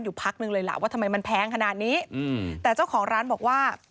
พักหนึ่งเลยล่ะว่าทำไมมันแพงขนาดนี้อืมแต่เจ้าของร้านบอกว่า